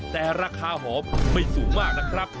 แต่ราคาหอมไม่สูงมากนะครับ